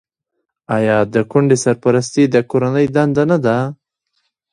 آیا د کونډې سرپرستي د کورنۍ دنده نه ده؟